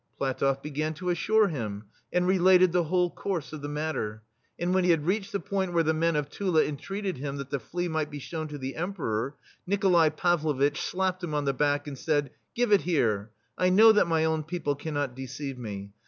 PlatofF began to assure him, and re lated the whole course of the matter ; and when he had reached the point where the men of Tula entreated him that the flea might be shown to the Emperor, Nikolai Pavlovitch slapped him on the back and said :" Give it here ! I know that my own people can not deceive me.